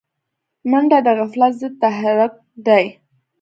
منډه د غفلت ضد تحرک دی